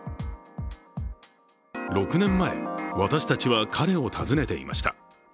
６年前、私たちは彼を訪ねていました。